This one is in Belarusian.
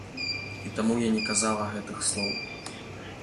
І таму я не казала гэтых слоў.